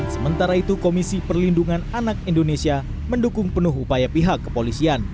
sementara itu komisi perlindungan anak indonesia mendukung penuh upaya pihak kepolisian